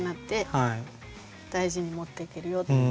大事に持っていけるよ。